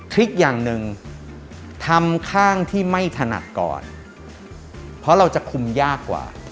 ลิกอย่างหนึ่งทำข้างที่ไม่ถนัดก่อนเพราะเราจะคุมยากกว่า